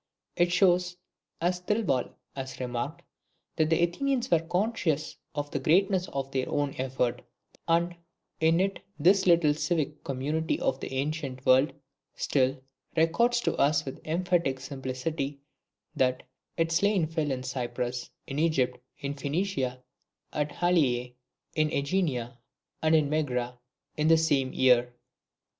It shows, as Thirlwall has remarked, "that the Athenians were conscious of the greatness of their own effort;" and in it this little civic community of the ancient world still "records to us with emphatic simplicity, that 'its slain fell in Cyprus, in Egypt, in Phoenicia, at Haliae, in AEgina, and in Megara, IN THE SAME YEAR.'"